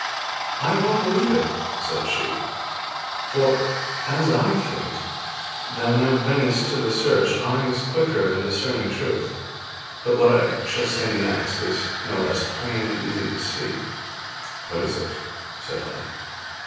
'I well believe it,' said she; 'for, as I think, thou now bringest to the search eyes quicker in discerning truth; but what I shall say next is no less plain and easy to see.' 'What is it?' said I.